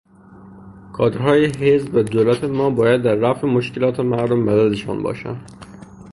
کادرهای حزب و دولت ما باید در رفع مشکلات مردم مدد شان باشند.